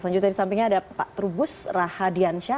selanjutnya di sampingnya ada pak trubus rahadiansyah